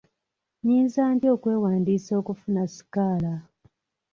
Nyinza ntya okwewandiisa okufuna sikaala?